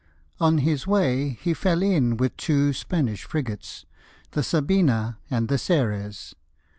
On his way he fell in with two Spanish frigates, the Sabina and the Ceres.